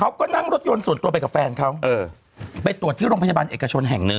เขาก็นั่งรถยนต์ส่วนตัวไปกับแฟนเขาเออไปตรวจที่โรงพยาบาลเอกชนแห่งหนึ่ง